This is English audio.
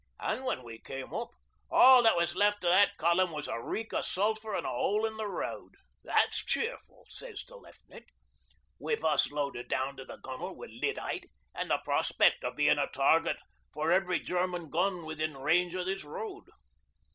An' when we came up, all that was left o' that column was a reek o' sulphur an' a hole in the road." '"That's cheerful," sez the Left'nant. "With us loaded down to the gunn'l wi' lyddite, an' the prospect o' being a target for every German gun within range o' this road."